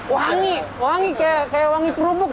wangi wangi kayak wangi kerupuk